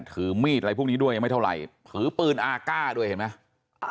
ถือมีดอะไรพวกนี้ด้วยยังไม่เท่าไหร่ถือปืนอาก้าด้วยเห็นไหม